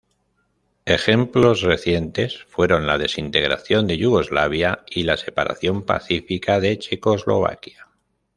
Ejemplos recientes fueron la desintegración de Yugoslavia y la separación pacífica de Checoslovaquia.